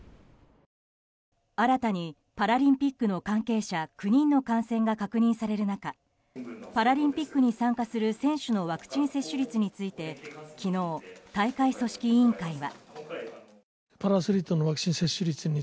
新たにパラリンピックの関係者９人の感染が確認される中パラリンピックに参加する選手のワクチン接種率について昨日、大会組織委員会は。